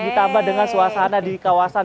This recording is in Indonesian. ditambah dengan suasana di kawasan